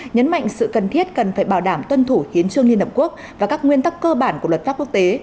nhấn mạnh sự cần thiết cần phải bảo đảm tuân thủ hiến trương liên hợp quốc và các nguyên tắc cơ bản của luật pháp quốc tế